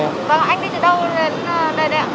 vâng anh đi từ đâu lên đây ạ